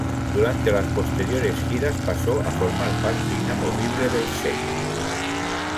Durante las posteriores giras pasó a formar parte inamovible del set.